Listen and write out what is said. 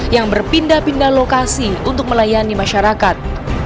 yang berpindah pindah lokasi untuk melayani masyarakat